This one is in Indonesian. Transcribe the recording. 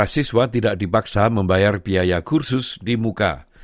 siswa tidak dibaksa membayar biaya kursus di muka